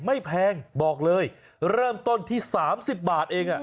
ไม่แพงบอกเลยเริ่มต้นที่สามสิบบาทเองค่ะ